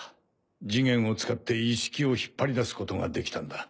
ジゲンを使ってイッシキを引っ張り出すことができたんだ。